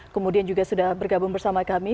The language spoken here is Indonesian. kemudian juga sudah bergabung bersama kami